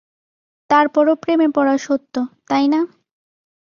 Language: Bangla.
তারপরও প্রেমে পড়া সত্য, তাই না?